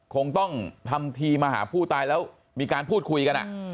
คงต้องทำทีมาหาผู้ตายแล้วมีการพูดคุยกัน